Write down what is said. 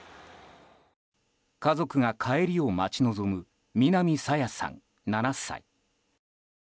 家族が帰りを待ち望む南朝芽さん、７歳。